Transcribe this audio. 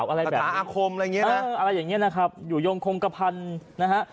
ตราอาคมอะไรอย่างนี้นะอยู่ยงคงกระพันธุ์นะฮะ